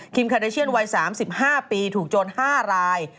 คาเดเชียนวัย๓๕ปีถูกโจร๕ราย